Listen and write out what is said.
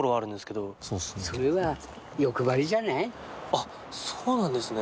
あっそうなんですね。